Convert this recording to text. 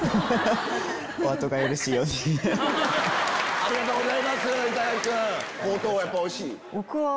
ありがとうございます板垣君。